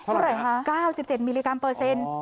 เท่าไหร่คะ๙๗มิลลิกรัมเปอร์เซ็นต์